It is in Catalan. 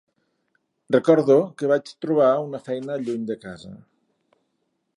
Recordo que vaig trobar una feina lluny de casa.